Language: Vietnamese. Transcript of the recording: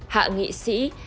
hạ nghị sĩ